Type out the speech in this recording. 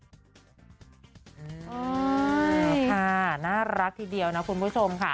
นี่ค่ะน่ารักทีเดียวนะคุณผู้ชมค่ะ